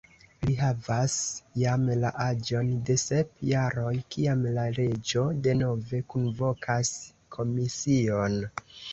Li havas jam la aĝon de sep jaroj, kiam la reĝo denove kunvokas komision.